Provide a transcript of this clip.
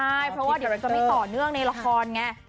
ใช่เพราะว่าเดี๋ยวมันจะไม่ต่อเนื่องในละครไง